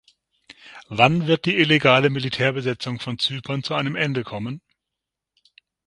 Wann wird die illegale Militärbesetzung von Zypern zu einem Ende kommen?